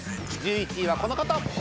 １１位はこの方。